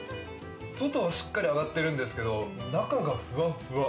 外はしっかり揚がっているんですけど中はふわふわ。